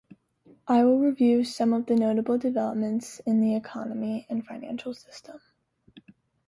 I will review some of the notable developments in the economy and financial system